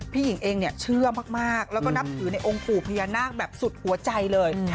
หญิงเองเนี่ยเชื่อมากแล้วก็นับถือในองค์ปู่พญานาคแบบสุดหัวใจเลย